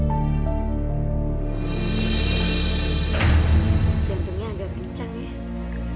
ini dokter pacar saya mau aborsi